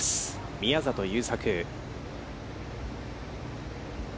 宮里優作。